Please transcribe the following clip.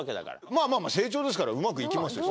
まぁまぁまぁ成長ですからうまく行きますよ